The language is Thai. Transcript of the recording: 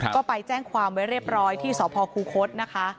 ก็ไปแจ้งความไว้เรียบร้อยที่สพคูคศนะคะ